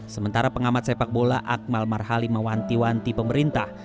sementara pengamat sepak bola akmal marhali mewanti wanti pemerintah